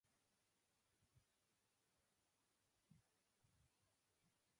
As I grew older, my interest in cartoons started to wane.